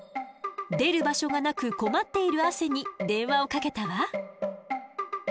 出る場所がなく困っているアセに電話をかけたわ。